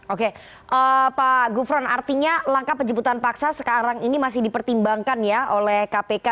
oke pak gufron artinya langkah penjemputan paksa sekarang ini masih dipertimbangkan ya oleh kpk